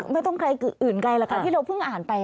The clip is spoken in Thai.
ไม่ต้องใครอื่นใกล่นะคะที่เราเพิ่งอ่านไป